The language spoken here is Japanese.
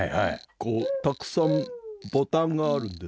こうたくさんボタンがあるんです。